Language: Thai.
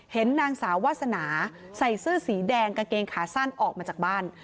เห็นนางสาววาสนาใส่เสื้อสีแดงกางเกงขาสั้นออกมาจากบ้าน